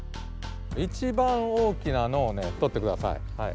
一番大きなのをねとってください。